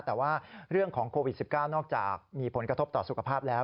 แต่ว่าเรื่องของโควิด๑๙นอกจากมีผลกระทบต่อสุขภาพแล้ว